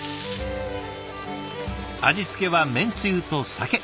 味付けはめんつゆと酒。